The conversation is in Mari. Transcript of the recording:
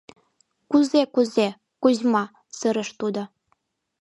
«Кузе-кузе — Кузьма! — сырыш тудо.